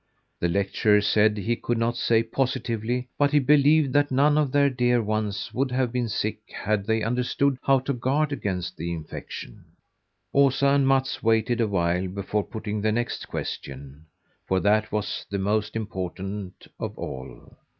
The lecturer said he could not say positively, but he believed that none of their dear ones would have been sick had they understood how to guard against the infection. Osa and Mats waited awhile before putting the next question, for that was the most important of all.